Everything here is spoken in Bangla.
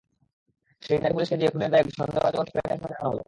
সেই নারী পুলিশকে দিয়ে খুনের দায়ে সন্দেহভাজনকে প্রেমের ফাঁদে আটকানো হলো।